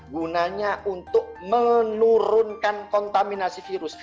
gunanya untuk menurunkan kontaminasi virus